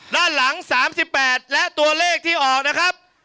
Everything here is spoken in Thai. ด้านหลัง๓๘และตัวเลขที่ออกนะครับ